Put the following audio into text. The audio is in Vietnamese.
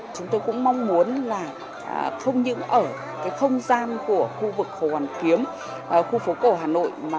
chúng tôi cũng mong muốn là không những ở cái không gian của khu vực hồ hoàn kiếm khu phố cổ hà nội